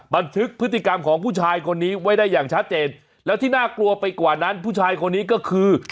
บันทึกพฤติกรรมของผู้ชายคนนี้ไว้ได้อย่างชัดเจนแล้วที่น่ากลัวไปกว่านั้นผู้ชายคนนี้ก็คือ